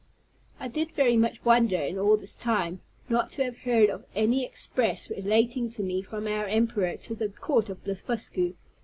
I did very much wonder, in all this time, not to have heard of any express relating to me from our emperor to the court of Blefuscu.